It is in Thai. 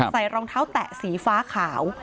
รองเท้าแตะสีฟ้าขาว